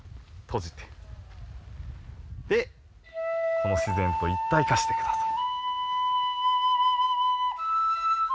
・この自然と一体化してください。